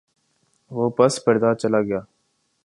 وہ پس پردہ چلاگیا۔